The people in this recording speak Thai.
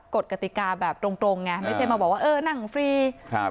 กฎกติกาแบบตรงตรงไงไม่ใช่มาบอกว่าเออนั่งฟรีครับ